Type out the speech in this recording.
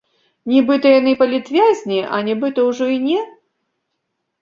Нібыта яны палітвязні, а нібыта ўжо і не?